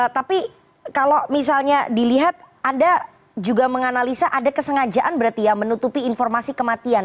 tapi kalau misalnya dilihat anda juga menganalisa ada kesengajaan berarti ya menutupi informasi kematian